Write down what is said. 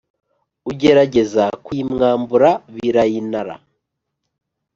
ugerageza kuyimwambura birayinara